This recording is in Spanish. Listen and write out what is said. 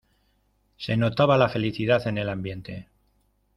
Se notaba la felicidad en el ambiente.